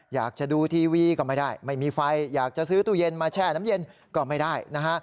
อยากจะดูทีวีก็ไม่ได้ไม่มีไฟอยากจะซื้อตู้เย็นมาแช่น้ำเย็นก็ไม่ได้นะฮะ